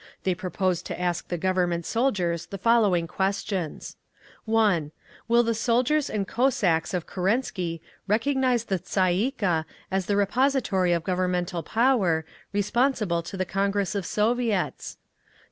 They proposed to ask the Government soldiers the following questions: (1) Will the soldiers and Cossacks of Kerensky recognise the Tsay ee kah as the repository of Governmental power, responsible to the Congress of Soviets?